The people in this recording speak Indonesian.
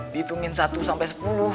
dihitungin satu sampai sepuluh